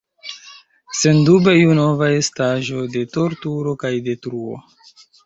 Sendube iu nova estaĵo de torturo kaj detruo.